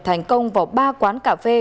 thành công vào ba quán cà phê